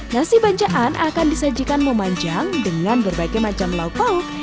nasi bancaan akan disajikan memanjang dengan berbagai macam lauk lauk